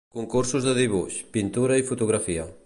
Concursos de dibuix, pintura i fotografia.